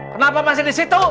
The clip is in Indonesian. kenapa masih di situ